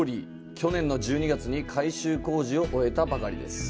去年の１２月に改修工事を終えたばかりです。